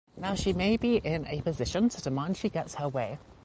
Now she may be in a position to demand she gets her way.